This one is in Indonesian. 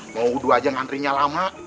mau dua jam ngantrinya lama